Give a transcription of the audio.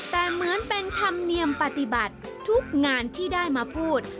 แต่เหมือนเป็นธรรมเนียมปฏิบัติทุกงานที่ได้มาพูด